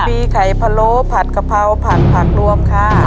มีไข่พะโล้ผัดกะเพราผัดผักรวมค่ะ